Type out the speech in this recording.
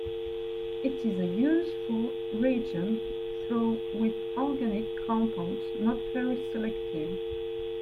It is a useful reagent, though with organic compounds, not very selective.